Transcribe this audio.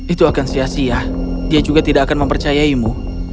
itu akan sia sia dia juga tidak akan mempercayaimu